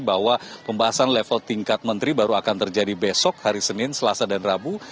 bahwa pembahasan level tingkat menteri baru akan terjadi besok hari senin selasa dan rabu